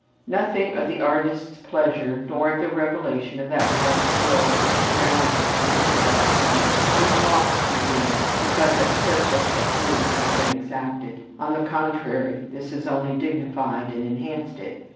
Nothing of the artist's pleasure, nor of the revelation of that larger world which surrounds and completes our own, is lost to him because a careful technique has been exacted, on the contrary this has only dignified and enhanced it.